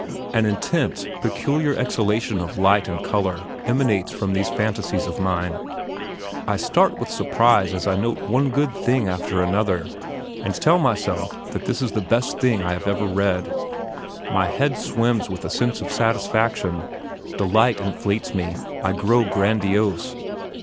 An intense, peculiar exhalation of light and colour emanates from these fantasies of mine. I start with surprise as I note one good thing after another, and tell myself that this is the best thing I have ever read. My head swims with a sense of satisfaction; delight inflates me; I grow grandiose.